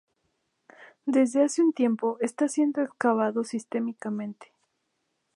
Desde hace un tiempo, está siendo excavado sistemáticamente.